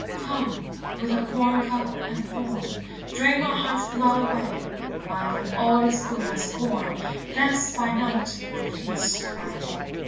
Come, with acorn cup and thorn, Drain my heart's blood away; Life and all its good I scorn, Dance by night, or feast by day.